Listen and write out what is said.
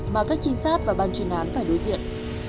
mà các trinh sát và ban chuyên án phải đối diện